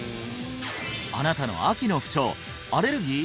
あなたの秋の不調アレルギー？